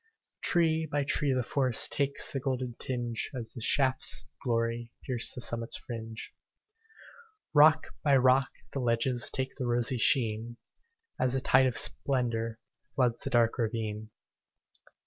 Tree by tree the forest Takes the golden tinge, As the shafts of glory Pierce the summit's fringe. Rock by rock the ledges Take the rosy sheen, As the tide of splendor Floods the dark ravine.